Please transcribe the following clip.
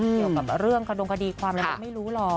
เกี่ยวกับเรื่องการตรงกดีความละละไม่รู้หรอก